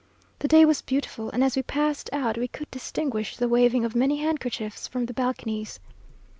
The day was beautiful, and as we passed out, we could distinguish the waving of many handkerchiefs from the balconies.